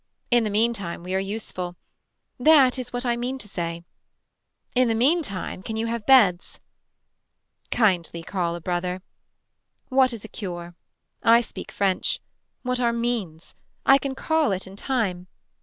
In the meantime we are useful. That is what I mean to say. In the meantime can you have beds. Kindly call a brother. What is a cure. I speak french. What are means. I can call it in time.